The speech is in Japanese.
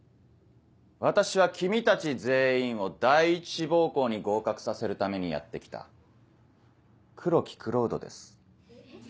私は君たち全員を第一志望校に合格させるためにやって来た黒木蔵人です。